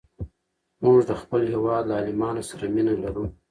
موږ د خپل هېواد له عالمانو سره مینه لرو.